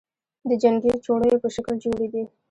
د جنگې چوڼیو په شکل جوړي دي،